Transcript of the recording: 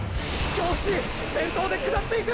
京伏先頭で下っていく！！